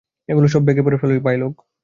এগুলো সব ব্যাগে ভরে ফেল, ভাইলোগ।